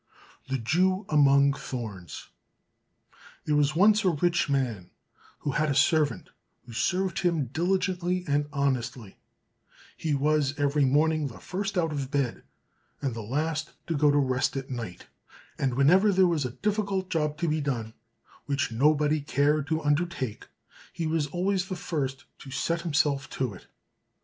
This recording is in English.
110 The Jew Among Thorns There was once a rich man, who had a servant who served him diligently and honestly: He was every morning the first out of bed, and the last to go to rest at night; and, whenever there was a difficult job to be done, which nobody cared to undertake, he was always the first to set himself to it.